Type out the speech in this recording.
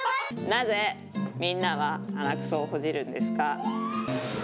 なぜ、みんなは鼻くそをほじるんですか。